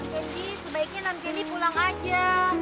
kedi sebaiknya nanti ji pulang aja